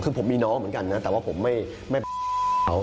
คือผมมีน้องเหมือนกันนะแต่ว่าผมไม่เอา